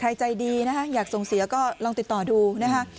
ใจดีนะคะอยากส่งเสียก็ลองติดต่อดูนะคะ